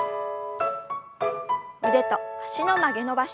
腕と脚の曲げ伸ばし。